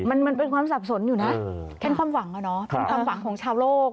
มันเป็นความสับสนอยู่นะแค่ความหวังนะความหวังของชาวโลก